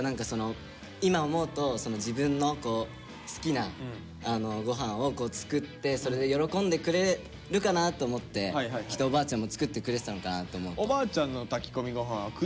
今思うと自分の好きなごはんを作ってそれで喜んでくれるかなと思ってきっとおばあちゃんも作ってくれてたのかなって思うと。